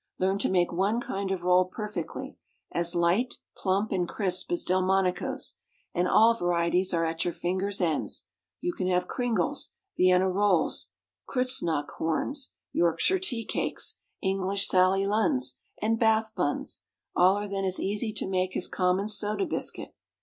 Learn to make one kind of roll perfectly, as light, plump, and crisp as Delmonico's, and all varieties are at your fingers' ends; you can have kringles, Vienna rolls, Kreuznach horns, Yorkshire tea cakes, English Sally Lunns and Bath buns; all are then as easy to make as common soda biscuit.